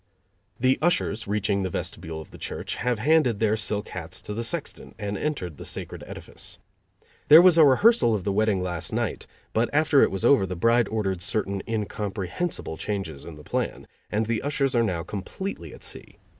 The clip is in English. The ushers, reaching the vestibule of the church, have handed their silk hats to the sexton, and entered the sacred edifice. There was a rehearsal of the wedding last night, but after it was over the bride ordered certain incomprehensible changes in the plan, and the ushers are now completely at sea.